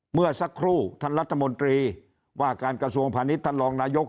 เมื่อสักครู่ท่านรัฐมนตรีว่าการกระทรวงพาณิชย์ท่านรองนายก